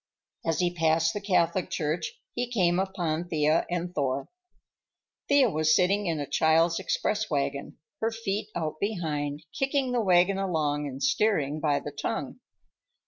As he passed the Catholic Church he came upon Thea and Thor. Thea was sitting in a child's express wagon, her feet out behind, kicking the wagon along and steering by the tongue.